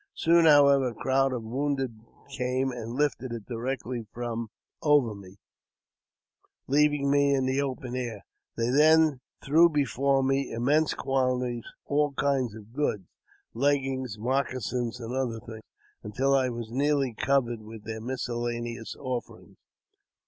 Soon, however, a crowd of womdj came and lifted it directly from over me, leaving me in the open air. They then threw before me immense quantities all kinds of goods, leggings, moccasins, and other things, unt I was nearly covered with their miscellaneous offerings.